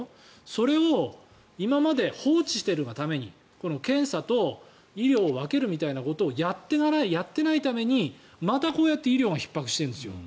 それを今まで放置しているがために検査と医療を分けるというようなことをやってないためにまた、こうやって医療がひっ迫しているんですよ。